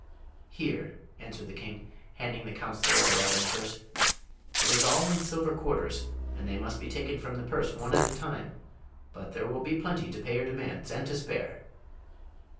"Here," answered the king, handing the counselor the leathern purse. "It is all in silver quarters, and they must be taken from the purse one at a time; but there will be plenty to pay your demands, and to spare."